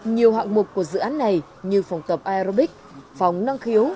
nhiều hạng mục của dự án này như phòng tập aerobic phòng năng khiếu